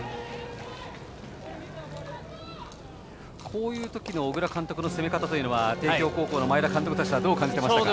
こういうときの小倉監督の攻め方というのは帝京高校の前田監督としてはどう感じてますか？